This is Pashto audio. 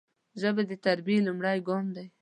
ژبه د تربیې لومړی قدم دی